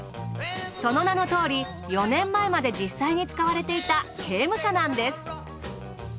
その名のとおり４年前まで実際に使われていた刑務所なんです。